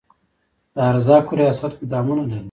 د ارزاقو ریاست ګدامونه لري؟